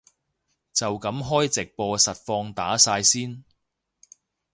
就噉開直播實況打晒先